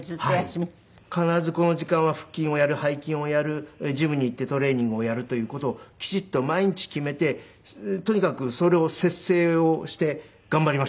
必ずこの時間は腹筋をやる背筋をやるジムに行ってトレーニングをやるという事をきちっと毎日決めてとにかくそれを摂生をして頑張りましたね。